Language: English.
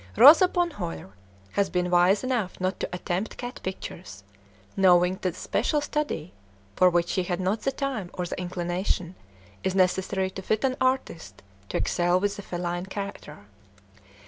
Rosa Bonheur has been wise enough not to attempt cat pictures, knowing that special study, for which she had not the time or the inclination, is necessary to fit an artist to excel with the feline character.